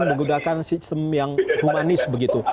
menggunakan sistem yang humanis begitu